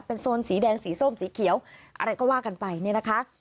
โซนสีแดงสีส้มสีเขียวอะไรก็ว่ากันไปเนี่ยนะคะ